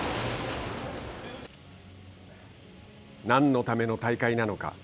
何のための大会なのか。